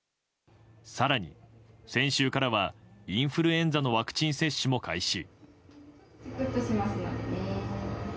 更に先週からはインフルエンザのワクチン接種も開始。